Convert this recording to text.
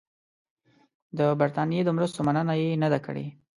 د برټانیې د مرستو مننه یې نه ده کړې.